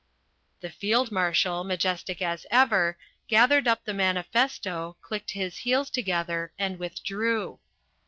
The Field Marshal, majestic as ever, gathered up the manifesto, clicked his heels together and withdrew.